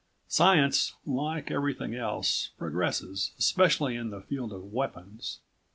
Science, like everything else, progresses, especially in the field of weapons.